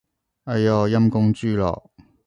哎唷，陰公豬咯